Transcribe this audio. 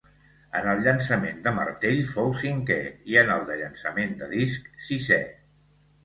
En el llançament de martell fou cinquè i en el de llançament de disc sisè.